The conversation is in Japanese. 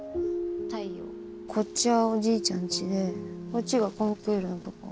こっちはおじいちゃんちでこっちがコンクールのとこ。